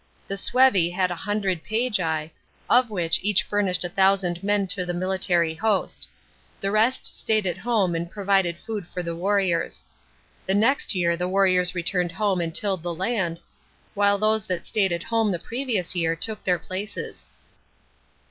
The Sucvi had a hundred pagi, of which each furnished a thousand men to the military host ; the rest stayed at home and provided rood 126 WINNING AND LOSING OF GEKMA.NY. CHAP. UL for the warriors. The next year the warriors returned home and tilled the Lmd, while those who had stayed at home the previous •ear took their places.